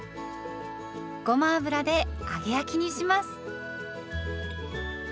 ごま油で揚げ焼きにします。